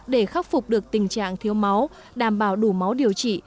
để khắc phục được tình trạng thiếu máu đảm bảo đủ máu điều trị